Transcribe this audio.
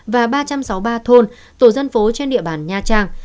và ba trăm sáu mươi ba thôn tổ dân phố trên địa bàn nha trang